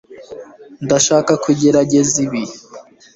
ndashaka kugerageza ibi